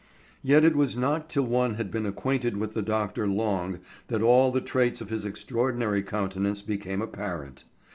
Yet it was not till one had been acquainted with the doctor long that all the traits of his extraordinary countenance became apparent.